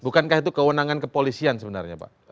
bukankah itu kewenangan kepolisian sebenarnya pak